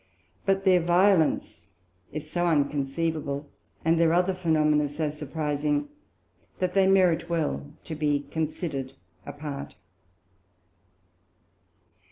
But their Violence is so unconceivable, and their other Phænomena so surprising, that they merit well to be consider'd apart.